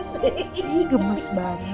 coba kita masuk duluan ya